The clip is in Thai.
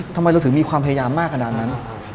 ทำไมเราถึงมีความพยายามมากขนาดนั้น